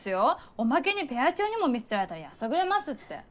おまけにペア長にも見捨てられたらやさぐれますって。